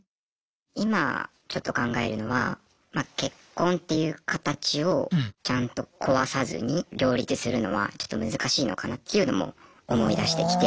今ちょっと考えるのは結婚っていう形をちゃんと壊さずに両立するのはちょっと難しいのかなっていうのも思いだしてきて。